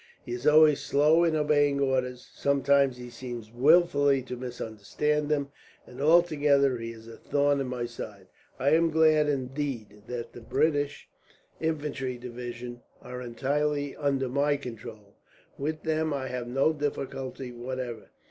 He is always slow in obeying orders. Sometimes he seems wilfully to misunderstand them, and altogether he is a thorn in my side. I am glad, indeed, that the British infantry division are entirely under my control. With them I have no difficulty whatever.